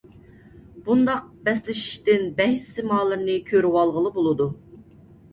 بۇنداق بەسلىشىشتىن بەھىس سىمالىرىنى كۆرۈۋالغىلى بولىدۇ.